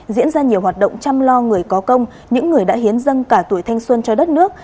diễn ra nhiều hoạt động chăm lo người có công những người đã hiến dân cả tuổi thanh xuân cho đất nước